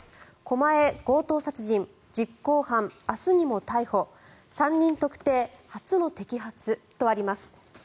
狛江、強盗殺人実行犯、明日にも逮捕３人特定、初の摘発とあります。